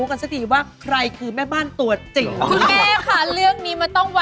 กล้วยกล้วยมาครับ